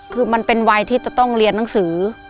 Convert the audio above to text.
คือมันเป็นวัยที่จะต้องเรียนหนังสือ